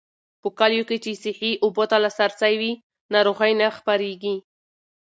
په کليو کې چې صحي اوبو ته لاسرسی وي، ناروغۍ نه خپرېږي.